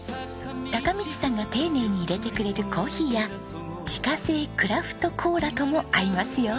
貴道さんが丁寧にいれてくれるコーヒーや自家製クラフトコーラとも合いますよ。